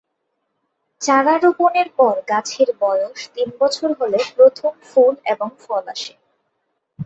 চারা রোপণের পর গাছের বয়স তিন বছর হলে প্রথম ফুল এবং ফল আসে।